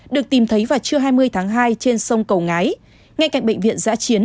được tìm thấy vào trưa hai mươi tháng hai trên sông cầu ngái ngay cạnh bệnh viện giã chiến